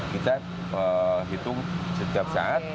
kita hitung setiap saat